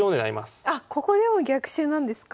ここでも逆襲なんですか。